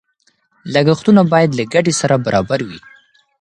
لګښتونه باید له ګټې سره برابر وي.